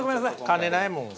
金ないもん。